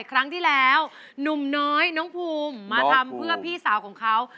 ครั้งที่แล้วหนุ่มน้อยน้องภูมิมาทำเพื่อพี่สาวของเขา